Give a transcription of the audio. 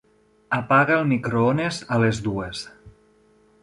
Apaga el microones a les dues.